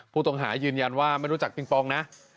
ผู้ต้องหายืนยันว่าไม่รู้จักปิงปองนะ